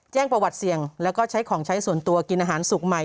แจ้งประวัติเสี่ยงแล้วก็ใช้ของใช้ส่วนตัวกินอาหารสุกใหม่